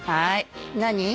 何？